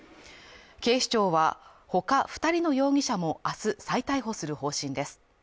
警視庁は、ほか２人の容疑者も明日再逮捕する方針です。